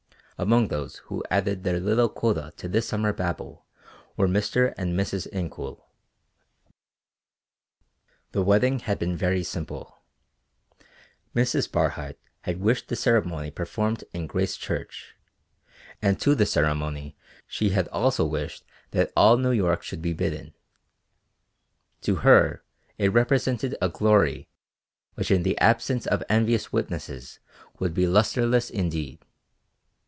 Among those who added their little quota to this summer Babel were Mr. and Mrs. Incoul. The wedding had been very simple. Mrs. Barhyte had wished the ceremony performed in Grace Church, and to the ceremony she had also wished that all New York should be bidden. To her it represented a glory which in the absence of envious witnesses would be lustreless indeed.